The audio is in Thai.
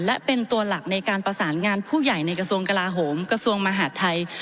และเป็นตัวหลักในการประสานงานผู้ใหญ่ในกระทรวงกลาโหมกระทรวงมหาดไทย